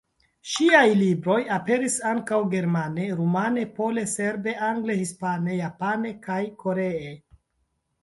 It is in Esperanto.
Ŝiaj libroj aperis ankaŭ germane, rumane, pole, serbe, angle, hispane, japane kaj koree.